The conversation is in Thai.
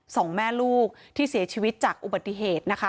สองแม่ลูกที่เสียชีวิตจากอุบัติเหตุนะคะ